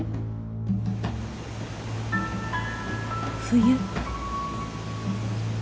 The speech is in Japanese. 冬。